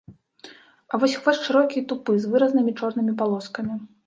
А вось хвост шырокі і тупы, з выразнымі чорнымі палоскамі.